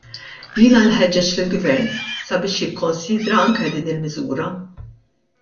Jiena nħeġġeġ lill-Gvern sabiex jikkonsidra anke din il-miżura.